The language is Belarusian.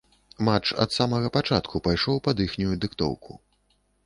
Матч ад самага пачатку пайшоў пад іхнюю дыктоўку.